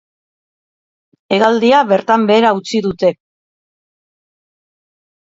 Hegaldia bertan behera utzi dute.